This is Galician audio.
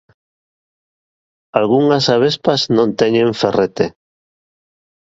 Algunhas avespas non teñen ferrete.